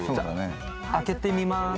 開けてみます。